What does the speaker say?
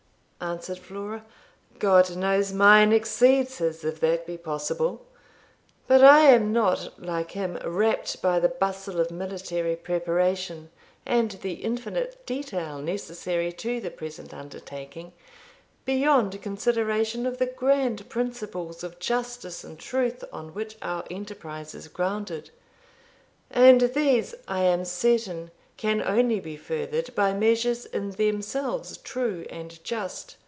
answered Flora. 'God knows mine exceeds his, if that be possible. But I am not, like him, rapt by the bustle of military preparation, and the infinite detail necessary to the present undertaking, beyond consideration of the grand principles of justice and truth, on which our enterprise is grounded; and these, I am certain, can only be furthered by measures in themselves true and just.